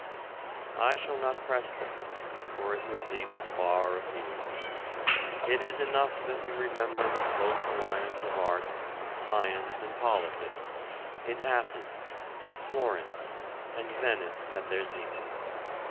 I shall not press the point for it would lead us far afield. It is enough that we remember the close alliance of art, science and politics in Athens, in Florence and Venice at their zenith.